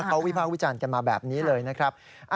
เขาวิภาควิจารณ์กันมาแบบนี้เลยนะครับ